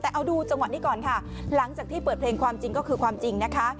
แต่เอาดูจังหวะนี้ก่อนค่ะหลังจากที่เปิดเพลงความจริงก็คือความจริงนะคะ